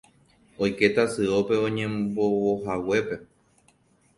oike tasyópe oñembovohaguépe